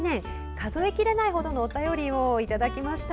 数え切れないほどのお便りをいただきました。